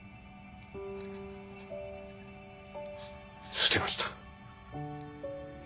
捨てました。